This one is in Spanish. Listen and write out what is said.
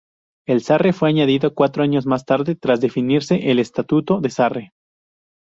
El Sarre fue añadido cuatro años más tarde tras definirse el Estatuto del Sarre.